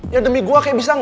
ya demi gue kayak bisa gak